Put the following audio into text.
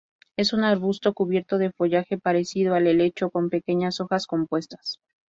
Es un arbusto cubierto de follaje parecido al helecho con pequeñas hojas compuestas.